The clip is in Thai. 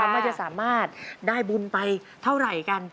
ว่าจะสามารถได้บุญไปเท่าไหร่กัน